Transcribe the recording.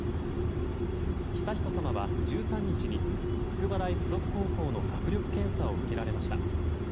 悠仁さまは１３日に、筑波大附属高校の学力検査を受けられました。